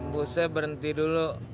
bu saya berhenti dulu